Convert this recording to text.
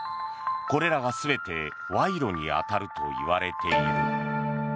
これらが全て賄賂に当たるといわれている。